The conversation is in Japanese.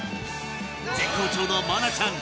絶好調の愛菜ちゃん